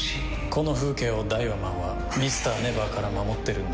この風景をダイワマンはＭｒ．ＮＥＶＥＲから守ってるんだ。